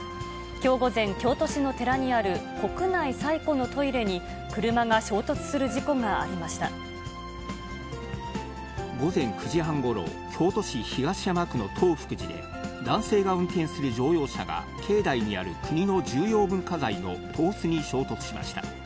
きょう午前、京都市の寺にある国内最古のトイレに車が衝突する事故がありまし午前９時半ごろ、京都市東山区の東福寺で、男性が運転する乗用車が境内にある国の重要文化財の東司に衝突しました。